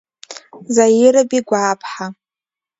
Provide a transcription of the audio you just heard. Заира Бигәааԥҳа.